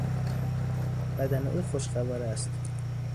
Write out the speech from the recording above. بدن او خوشقواره است.